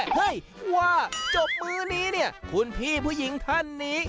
เฮ้ยว่าจบมื้อนี้เนี่ยคุณพี่ผู้หญิงท่านนี้